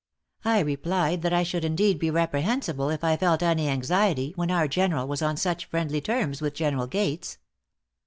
I replied that I should indeed be reprehensible, if I felt any anxiety, when our general was on such friendly terms with General Gates.